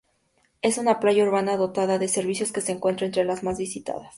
Es una playa urbana dotada de servicios que se encuentra entre las más visitadas.